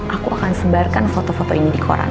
aku akan sebarkan foto foto ini di koran